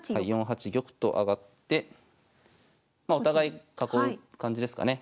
４八玉と上がってまあお互い囲う感じですかね。